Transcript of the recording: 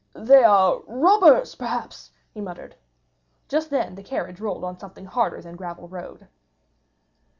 "They are robbers, perhaps," he muttered. Just then the carriage rolled on something harder than gravel road.